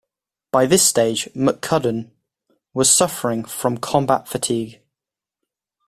By this stage McCudden was suffering from combat fatigue.